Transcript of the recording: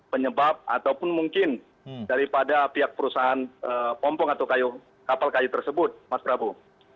penyebab ataupun mungkin daripada pihak perusahaan pompong atau kapal kayu tersebut mas prabu